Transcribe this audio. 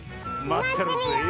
まってるよ！